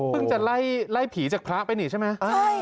พึ่งจะไร่ผีจากพระไปหนีใช่ไหม